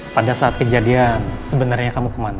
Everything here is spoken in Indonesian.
pada saat kejadian sebenarnya kamu kemana